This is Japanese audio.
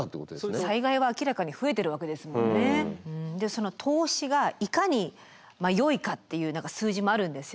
その投資がいかによいかっていう数字もあるんですよね。